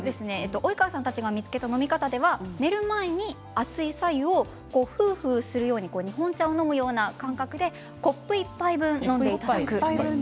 及川さんたちが見つけた飲み方では寝る前に熱い白湯をふうふうするように日本茶を飲むような感覚でコップ１杯分、飲んでいただく。